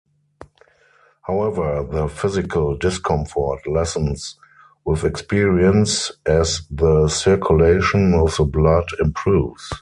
However, the physical discomfort lessens with experience as the circulation of the blood improves.